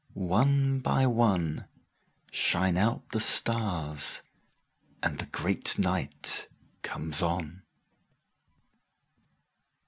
One by one14Shine out the stars, and the great night comes on.